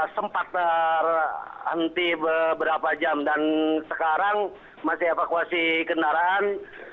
sempat terhenti beberapa jam dan sekarang masih evakuasi kendaraan